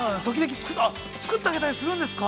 作ってあげたりするんですか？